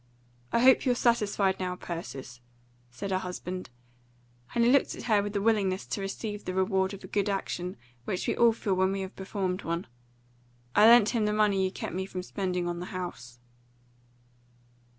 I hope you're satisfied now, Persis," said her husband; and he looked at her with the willingness to receive the reward of a good action which we all feel when we have performed one. "I lent him the money you kept me from spending on the house."